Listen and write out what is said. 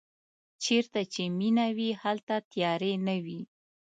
چېرته چې مینه وي هلته تیارې نه وي.